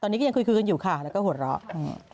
ตอนนี้ก็ยังคุยคุยกันอยู่ค่ะแล้วก็หัวเราะ